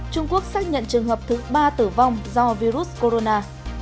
trung quốc xác nhận trường hợp thứ ba tử vong do virus corona